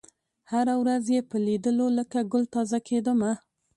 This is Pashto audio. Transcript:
هره ورځ یې په لېدلو لکه ګل تازه کېدمه